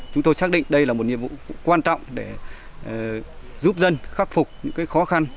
chúng tôi xác định đây là một nhiệm vụ quan trọng để giúp dân khắc phục những khó khăn